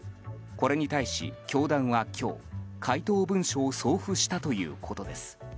これに対し教団は今日回答文書を送付したということです。